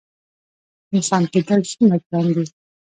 انسان کیدل څومره ګران دي؟